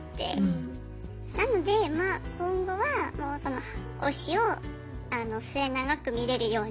なのでまあ今後は推しを末永く見れるように。